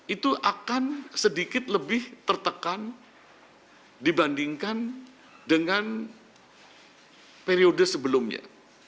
itu akan sedikit lebih tertekan dibandingkan dengan periode sebelumnya